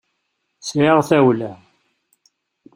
Sɛiɣ tawla.